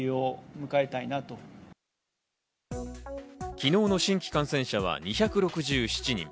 昨日の新規感染者は２６７人。